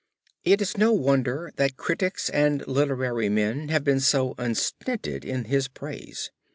It is no wonder that critics and literary men have been so unstinted in his praise.